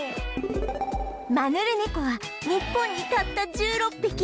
マヌルネコは日本にたった１６匹